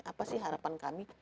apa sih harapan kami